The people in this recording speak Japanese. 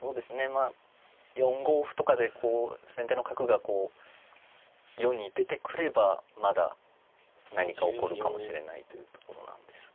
まあ４五歩とかでこう先手の角が世に出てくればまだ何か起こるかもしれないというところなんですが。